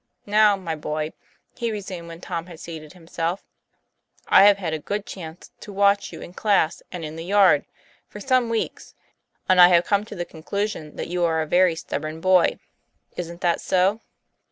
Now, my boy, "he resumed when Tom had seated himself, '' I have had a good chance to watch you in class and in the yard, for some weeks, and I have come to the conclusion that you are a very stubborn boy. Isn't that so